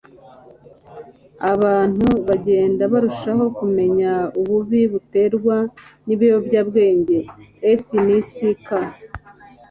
abantu bagenda barushaho kumenya ububi buterwa nibiyobyabwenge. (snsk